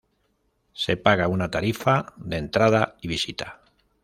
Se paga una tarifa de entrada y visita.